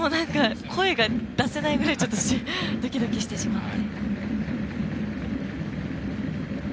声が出せないぐらいドキドキしてしまって。